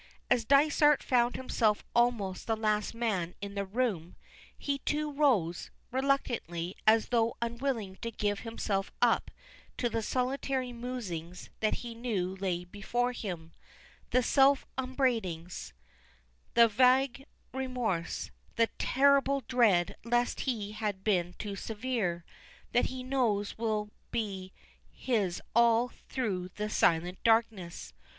As Dysart found himself almost the last man in the room, he too rose, reluctantly, as though unwilling to give himself up to the solitary musings that he knew lay before him; the self upbraidings, the vague remorse, the terrible dread lest he had been too severe, that he knows will be his all through the silent darkness.